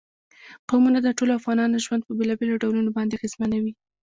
قومونه د ټولو افغانانو ژوند په بېلابېلو ډولونو باندې اغېزمنوي.